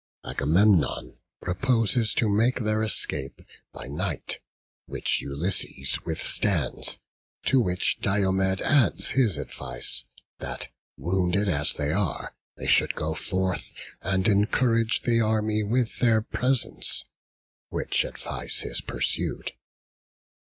Agamemnon proposes to make their escape by night, which Ulysses withstands; to which Diomed adds his advice, that, wounded as they were, they should go forth and encourage the army with their presence; which advice is pursued.